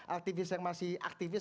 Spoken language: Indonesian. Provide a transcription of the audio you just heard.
aktivis yang masih aktivis